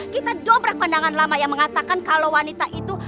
kita dobrak pandangan lama yang mengatakan kalau wanita itu